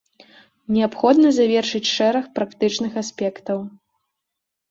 Неабходна завершыць шэраг практычных аспектаў.